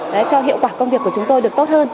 đấy cho hiệu quả công việc của chúng tôi được tốt hơn